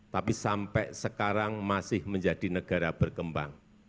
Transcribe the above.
tapi sampai sekarang masih menjadi negara berkembang